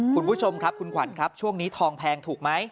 คุณผู้ชมครับคุณขวัญครับช่วงนี้ทองแพงถูกไหม